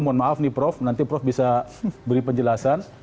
mohon maaf nih prof nanti prof bisa beri penjelasan